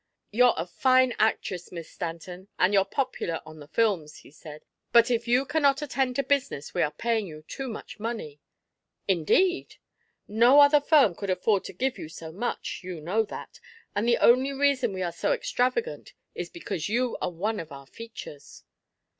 "You're a fine actress, Miss Stanton, and you're popular on the films," he said, "but if you cannot attend to business we are paying you too much money." "Indeed!" "No other firm could afford to give you so much, you know that; and the only reason we are so extravagant is because you are one of our features."